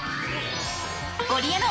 ゴリエの！